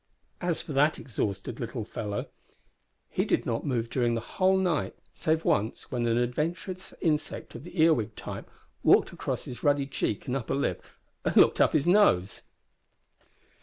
As for that exhausted little fellow, he did not move during the whole night, save once, when an adventurous insect of the earwig type walked across his ruddy cheek and upper lip and looked up his nose.